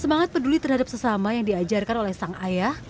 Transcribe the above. semangat peduli terhadap sesama yang diajarkan oleh sang ayah